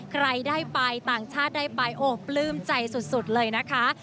ใครได้ไปต่างชาติได้ไปโอ้ปลื้มใจสุดเลยนะคะ